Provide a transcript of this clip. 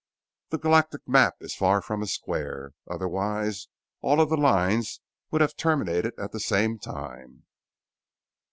The galactic map is far from a square, otherwise all of the lines would have terminated at the same time.